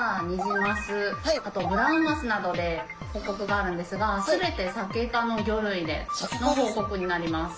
あとブラウンマスなどで報告があるんですが全てサケ科の魚類での報告になります。